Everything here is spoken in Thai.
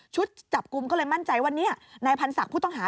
จับกลุ่มก็เลยมั่นใจว่านี่นายพันศักดิ์ผู้ต้องหา